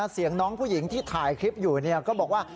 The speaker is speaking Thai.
เสียงน้องผู้หญิงที่ถ่ายคลิปอยู่ก็บอกว่า